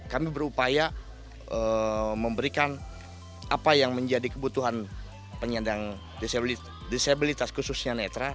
kami berupaya memberikan apa yang menjadi kebutuhan penyandang disabilitas khususnya netra